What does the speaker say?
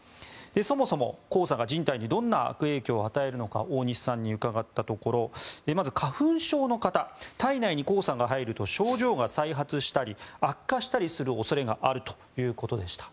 そもそも、黄砂が人体にどんな悪影響を与えるのか大西さんに伺ったところまず花粉症の方体内に黄砂が入ると症状が再発したり悪化したりする恐れがあるということでした。